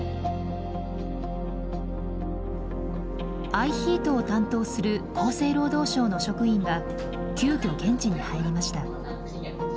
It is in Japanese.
ＩＨＥＡＴを担当する厚生労働省の職員が急きょ現地に入りました。